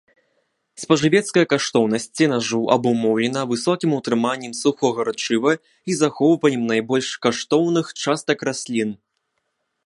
Спажывецкая каштоўнасць сенажу абумоўлена высокім утрыманнем сухога рэчыва і захоўваннем найбольш каштоўных частак раслін.